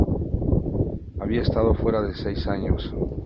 Había estado fuera seis años.